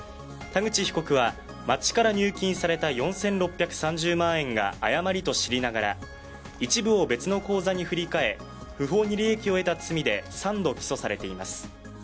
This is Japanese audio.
田口被告は、町から入金された４６３０万円が誤りと知りながら、一部を別の口座に振り替え、不法に利益を得た罪で３度起訴されています。